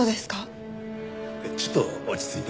ちょっと落ち着いて。